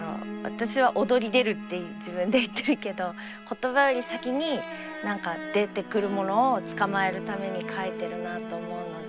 私は「躍り出る」って自分で言ってるけど言葉より先に何か出てくるものをつかまえるために描いてるなあと思うので。